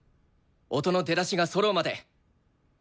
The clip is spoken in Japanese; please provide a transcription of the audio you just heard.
音の出だしがそろうまで頑張ろう！